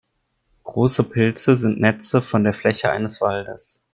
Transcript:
Große Pilze sind Netze von der Fläche eines Waldes.